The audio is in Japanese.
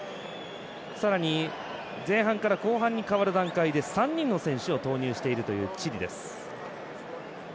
さらに前半から後半に変わる段階で３人の選手を投入しているというチリです。